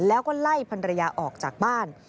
แล้วก็ไล่พันรยาออกจากบ้าน